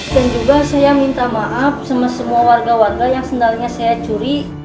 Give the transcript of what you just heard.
dan juga saya minta maaf semua semua warga warga yang sendalnya saya curi